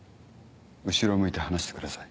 後ろを向いて話してください。